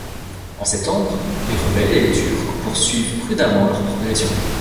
En septembre, les rebelles et les Turcs poursuivent prudemment leur progression.